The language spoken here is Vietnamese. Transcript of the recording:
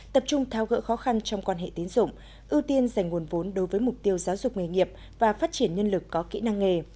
tập trung thao gỡ khó khăn trong quan hệ tín dụng ưu tiên dành nguồn vốn đối với mục tiêu giáo dục nghề nghiệp và phát triển nhân lực có kỹ năng nghề